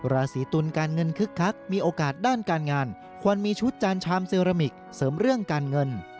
ราศีตุลการเงินคึกคักมีโอกาสด้านการงานควรมีชุดจานชามเซรามิกเสริมเรื่องการเงิน